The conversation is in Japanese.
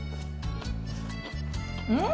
うん！